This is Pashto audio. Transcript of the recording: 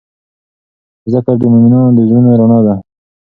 ذکر د مؤمنانو د زړونو رڼا ده.